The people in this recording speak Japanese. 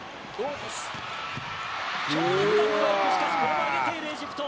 強烈なスパイク、しかしこれも上げている、エジプト。